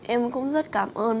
em cũng rất cảm ơn